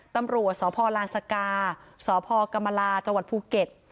ตำรวจสพลานสกาสพกรรมลาจังหวัดภูเก็ต